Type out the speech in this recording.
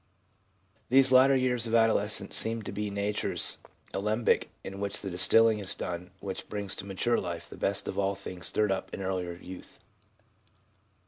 These latter years of adolescence seem to be nature's alembic in which the distilling is done which brings to mature life the best of all the things stirred up in earlier youth.